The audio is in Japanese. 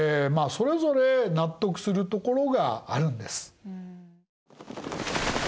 それぞれ納得するところがあるんです。